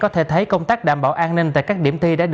theo quy chế thi